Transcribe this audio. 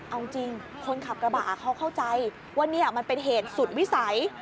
เอาจริงคนขับกระบะเขาเข้าใจว่านี่มันเป็นเหตุสุดวิสัย